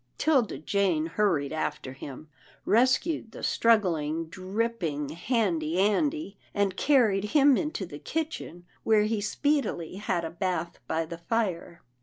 'Tilda Jane hurried after him, rescued the strug gling, dripping Handy Andy, and carried him into the kitchen, where he speedily had a bath by the fire.